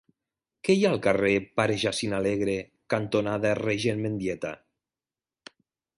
Què hi ha al carrer Pare Jacint Alegre cantonada Regent Mendieta?